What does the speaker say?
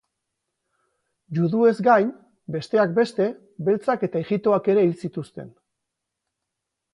Juduez gain, besteak beste, beltzak eta ijitoak ere hil zituzten.